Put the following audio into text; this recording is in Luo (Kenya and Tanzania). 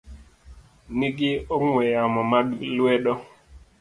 ni gi ong'we yamo mag lwedo.